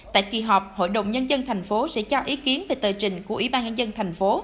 tại kỳ họp hội đồng nhân dân tp sẽ trao ý kiến về tờ trình của ybnd tp